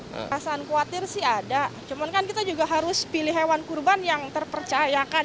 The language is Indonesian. perasaan khawatir sih ada cuman kan kita juga harus pilih hewan kurban yang terpercayakan